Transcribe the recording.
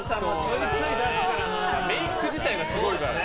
メイク自体がすごいからね。